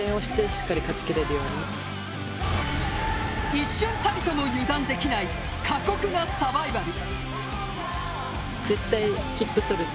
一瞬たりとも油断できない過酷なサバイバル。